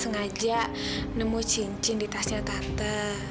sengaja nemu cincin di tasnya tante